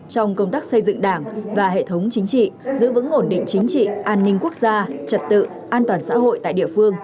trong công tác xây dựng đảng và hệ thống chính trị giữ vững ổn định chính trị an ninh quốc gia trật tự an toàn xã hội tại địa phương